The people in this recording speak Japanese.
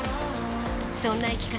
そんな生き方